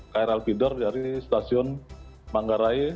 krl feeder dari stasiun manggarai